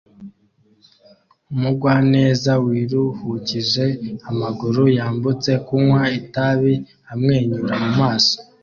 Umugwaneza wiruhukije amaguru yambutse kunywa itabi amwenyura mu maso